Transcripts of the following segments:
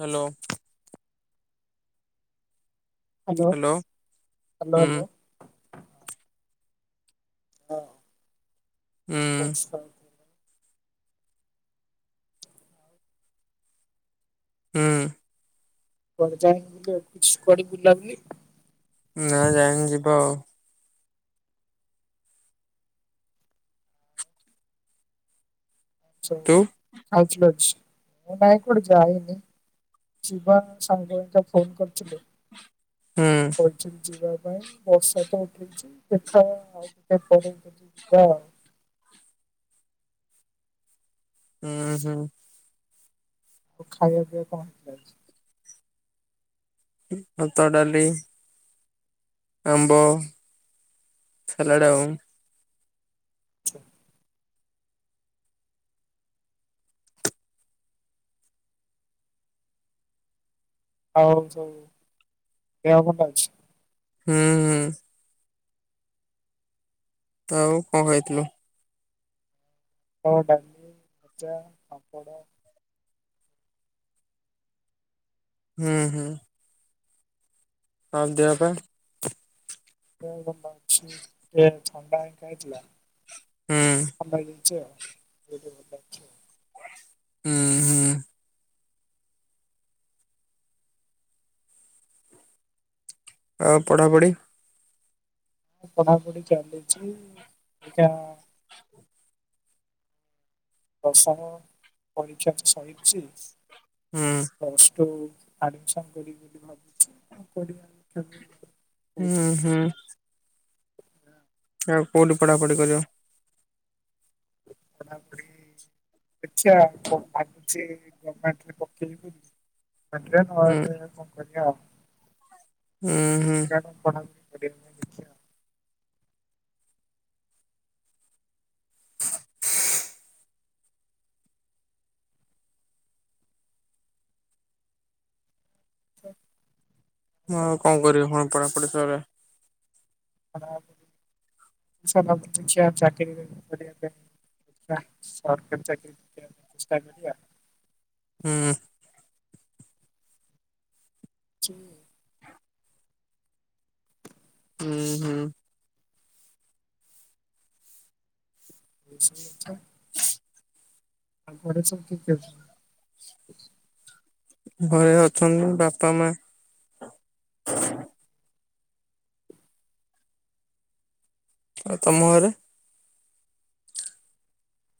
Hello. Hello, hello, ହୁଁ hello! ହୁଁ ହଁ [unintelligible] ହୁଁ। କୁଆଡେ ଯା କୁଆଡେ ବୁଲା ବୁଲି? ନା ଯାଇନି ଯିବ ଆଉ। ଛେ ତୁ ଆଉଛି ଯାଉଛି। ନାଇଁ କୁଆଡେ ଯାଇନି ଯିବା ସାଙ୍ଗ ହେକା ଫୋନ୍ କରିଥିଲେ। ହୁଁ ଛି ପଛିିଯିବା। ପାଇଁ ବର୍ଷା ତ ଉଠେଇଛି ଦେଖା ଆଉ ଟିକେ ପରେ ଯିବା। ହୁଁ ହୁଁ। ଖାଇବା ପିଇବା କଣ ହେଇଛି ଆଜି? ଏ ଭାତ ଡାଲି ଆମ୍ବ ସାଲାଡ୍ ଆଛା। ଆଉ ସବୁ ଦେହ ଭଲ ଅଛି? ହୁଁ ହୁଁ। ତ ଆଉ କଣ ଖାଇଥିଲ? ଭାତ ଡାଲି ଭଜା ପାମ୍ପଡ। ହୁଁ ହୁଁ। ହଁ ଦେହ ପା। ଦେହ ଭଲ ଅଛି ଏ ଥଣ୍ଡା ହେଇଥିଲା ହୁଁ ମେଡ୍ [unintelligible] ଉଁ ହୁଁ। ଆଉ ପଢ଼ାପଢି। ପଢା ପୁଢ଼ି ଚାଲିଚି ଏଇଟା ଦଶମ ପରୀକ୍ଷା ସରିଛି ହୁଁ ପ୍ଲ ସଟୁ ଆଡମିସନ କରିବି ବୋଲି ଭାବୁଛି [unintelligible] କରିବା [unintelligible] ହୁଁ କହୁଛନ୍ତି ହୁଁ। [inaudible] ଆ କଉଠି ପଢାପଢି କରିବ? ପଢ଼ା ପଢ଼ି ଦେଖିଆ କୋଉ ଭା ବୁଛି ଗମେଣ୍ଟରେ ପକେଇବି ନଲେ ହୁଁ ନହେଲେ କଣ କରିବା। ହୁଁ ହୁଁ [unintelligible] [inaudible] ମୁଁ ଆଉ ଚାଲିବ କଣ କରିବି ହ ପଢାପଢି ସରେ। [unintelligible] ସରକାରୀ ଚାକିରୀ [unintelligible] ଚେଷ୍ଟା କରିବା। ହୁଁ। ଚ। ହୁଁ ହୁଁ। [unintelligible] ଆଉ ଘରେ ସବୁ କିଏ କିଏ ଅଛନ୍ତି? ଘରେ ଅଛନ୍ତି ବାପା ମା। ଆଉ ତମ ଘରେ?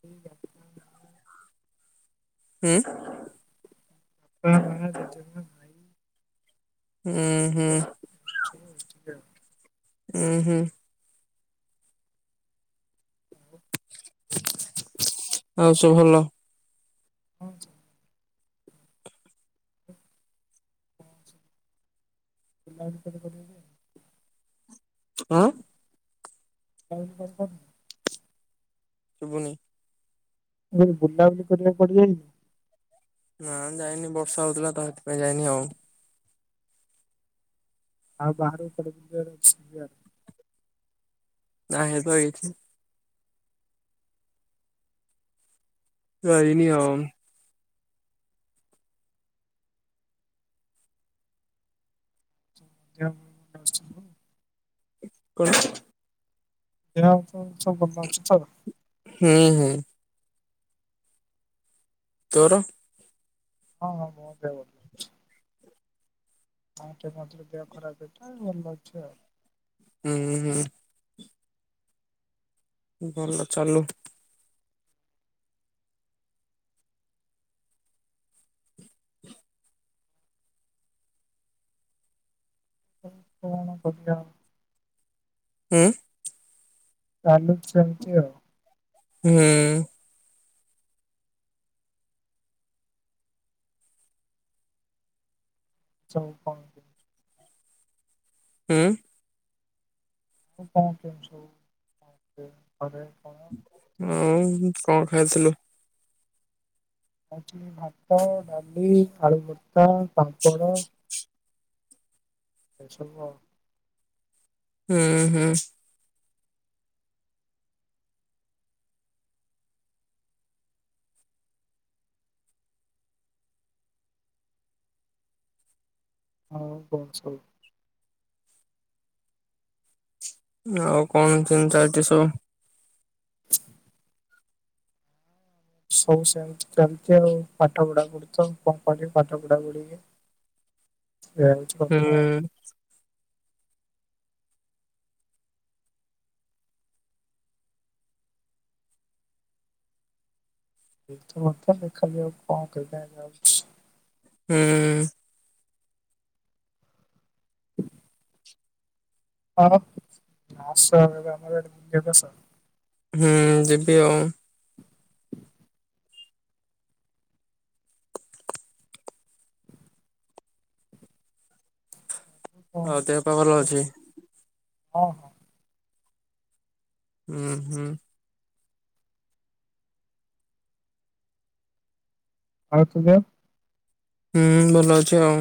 ସେଇ ବାପା ମା। ହୁଁ। ବାପା ମା ଜେଜମା ଭାଇ। ହୁଁ ହୁଁ। [inaudible] ଉଁ ହୁଁ। ଆଉ ସବୁ ଭଲ? ହଁ ସ [inaudible] [unintelligible] ଆଁ, ଆଉ [unintelligible] ଶୁଭୁନି। ମୁଁ କହିଲି ବୁଲାବୁଲି କରିବାକୁ କୁଆଡେ ଯାଇନୁ? ନା ଯାଇନି ବର୍ଷା ହଉଥିଲା ତ ସେଥିପାଇଁ ଯାଇନି ଆଉ। ଆଉ ବାହାରକୁ କୁଆଡେ ବୁଲିବାର ଅଛି [unintelligible] ନା ହେଇପା ଏଇଠି। ତ ହେଇନି ଆମ୍। ଯା [unintelligible] କଣ? ଦେହ ହାତ ସବୁ ଭଲ ଅଛି ତୋର? ହୁଁ ହୁଁ ତୋର? ହଁ, ହଁ ମୋ ଦେହ ଭଲ ଅଛି। ହଁ ସେ ମଝିରେ ଦେହ ଖରାପ ହେଇଠା ଭଲ ଅଛି ଆଉ। ଉଁ, ହୁଁ। ଭଲ ଚାଲୁ। [unintelligible] କଣ କରୁଚ? ଉଁ, ଚାଲୁ ସେମତି ଆଉ। ହୁଁ। ସବୁ କଣ କି? ଉଁ, ଓ କଣ କରୁଛୁ? [inaudible] ଆଉ କଣ ଖାଇଥିଲୁ? ଖାଇଥିଲି ଭାତ, ଡାଲି ଆଳୁ ଭର୍ତା, ପାମ୍ପଡ଼। ଟେନସନ ନ ହୁଁ, ହୁଁ। ହଁ କଣ ସବୁ? ଆଉ କଣ କେମତି ଚାଲିଚି ସବୁ? ସବୁ ସେମିତି ଚାଲିଚି ଆଉ। ପାଠ ପଢା ପଢି ତ କଣ ପଢିବି ପାଠ ପଢା ପଢିକି ଏୟା ହଉଚି କଥା। ହୁଁ ଏଇତ କଥା ଦେଖାଯାଉ କଣ କରିବାକୁ ଯାଉଛି। ହୁଁ। କଣ? ଆସ ଆମର ଏବେ ଆମର ଆଡେ ବୁଲିବାକୁ ଆସ। ହୁଁ, ଯିବି ଆଉ। କଣ ଆଉ ଦେହ ପା ଭଲ କରାଯିବ ଅଛି? ହଁ, ହଁ। ଉଁ, ହୁଁ। ଆଉ ତୁମେ? ହୁଁ, ଭଲ ଅଛି ଆଉ।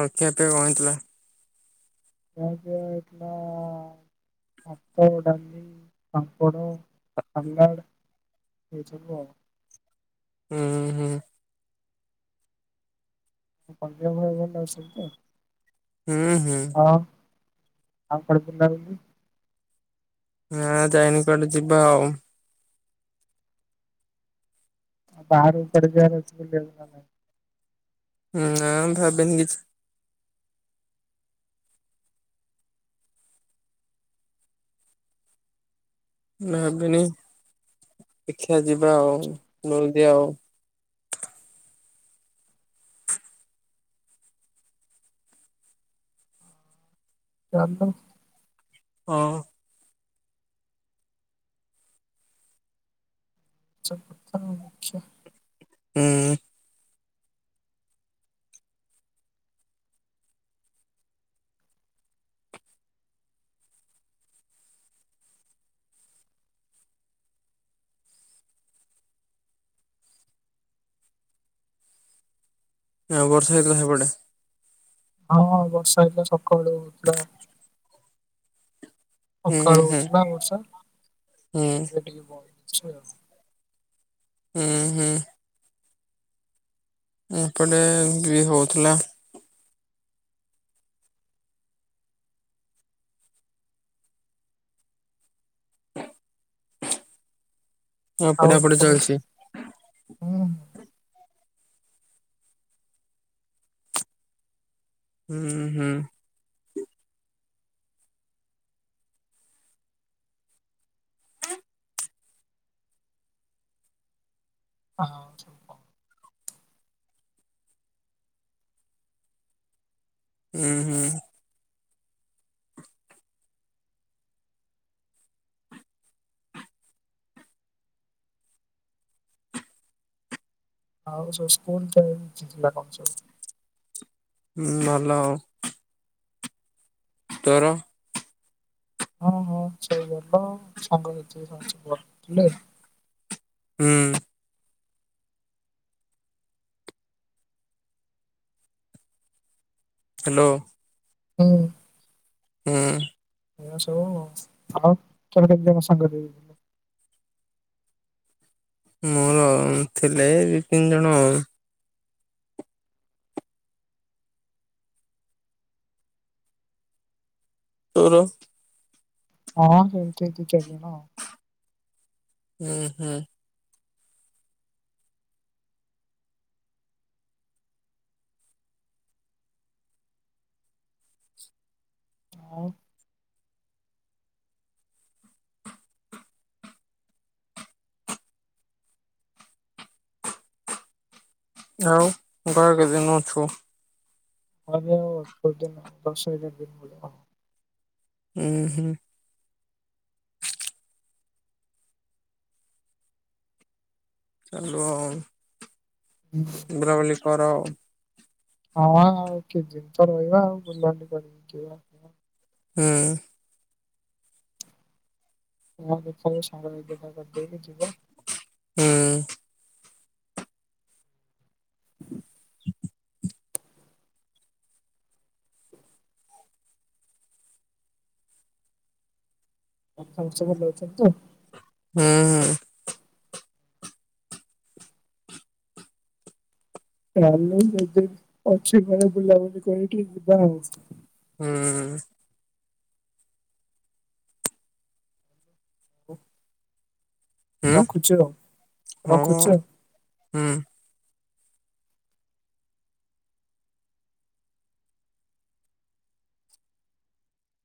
ଆଉ ଖିଆ ପିଆ କଣ ହେଇଥିଲା? ଖିଆ ପିଆ ହେଇଥିଲା ଭାତ, ଡାଲି, ପାମ୍ପଡ, ସାଲାଡ୍। ଏଇ ଛବୁ। ଅଁ, ହଁ। [unintelligible] ହୁଁ ହୁଁ। [unintelligible] ହଁ ଯାଇନି କୁଆଡେ ଯିବା ଆଉ। [unintelligible] ନା ଭାବିନି କିଛି। ମୁଁ ଭାବିନି ଦେଖା ଯିବା ଆଉ ଯଲଦି ଆଉ। ଚାଲ। ହଁ। [unintelligible] ହୁଁ। ଆଉ ବର୍ଷା ହେଇଥିଲା ସେପଟେ? ହଁ ବର୍ଷା ହେଇଥିଲା ସକାଳୁ ହୁଁ ହୁଁ ସକାଳୁ ହୁଁ ହଉଛି ପା ବର୍ଷା ହୁଁ ଏବେ ଟିକେ କମିଛି ଆଉ ହୁଁ ହୁଁ। ଏପଟେ ବି ହଉଥିଲା। ଆଉ ପଢ଼ାପଢ଼ି ଚାଲିଛି? ହୁଁ ହୁଁ ହୁଁ ହୁଁ ହୁଁ। ହଁ। ଉଁ ହୁଁ। ଆଉ ସ୍କୁଲ [unintelligible] ହୁଁ ଭଲ ଆଉ। ତୋର? ହଁ ହଁ ସବୁ ଭଲ ସାଙ୍ଗ [unintelligible] ହୁଁ। ହାଲୋ। ହୁଁ। ହୁଁ। [unintelligible] ମୋର ଥିଲେ ଦି ତିନି ଜଣ ଆଉ। ତୋର? ହଁ ସେଇ ଦି ଚାରି ଜଣ ଆଉ। ଉଁ ହୁଁ। ଆଉ? ଆଉ ଘର କେତେଦିନ ଅଛୁ? [unintelligible] ଉଁ ହୁଁ। ଚାଲୁ ଆଉ। ବୁଲାବୁଲି କର। ହଁ ଆଉ କି [unintelligible] ଆଉ ବୁଲାବଲି କରିକି ଯିବା। ହୁଁ। [unintelligible] ହୁଁ। [inaudible] ଆଉ ସମସ୍ତେ ଭଲଅଛନ୍ତି ତ? ହୁଁ ହୁଁ। ହଁ ମ ଯେତେ ଦିନ ଅଛି ଘରେ ବୁଲାବୁଲି କରିିକି ଯିବା। ହୁଁ। ଉ। ହୁଁ। ରଖୁଛି ଆଉ ହଁ ରଖୁଛି ଆଉ। ହୁଁ।